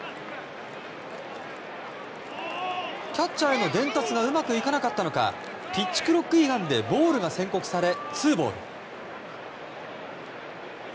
キャッチャーへの伝達がうまくいかなかったのかピッチクロック違反でボールが宣告されツーボール。